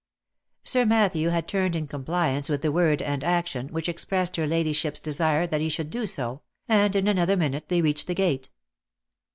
Sir Matthew had turned in compliance with the word and action, which expressed her ladyship's desire that he should do so, and in another minute they reached the gate.